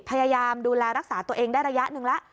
พยายามดูแลรักษาตัวเองได้ระยะหนึ่งแล้ว